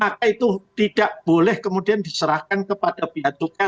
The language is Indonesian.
maka itu tidak boleh kemudian diserahkan kepada biaya cukai